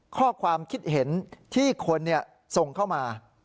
ข้อความคิดเห็นที่คนส่งเข้ามา